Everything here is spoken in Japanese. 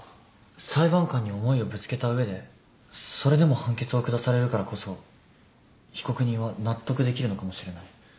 裁判官に思いをぶつけた上でそれでも判決を下されるからこそ被告人は納得できるのかもしれない。